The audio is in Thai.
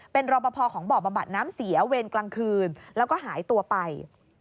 เป็นรอปภของบ่อบำบัดน้ำเสียเวรกลางคืนแล้วก็หายตัวไป